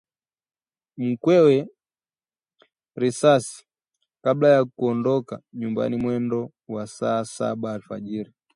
mkewe risasi kabla ya kuondoka nyumbani mwendo wa saa saba alfajiri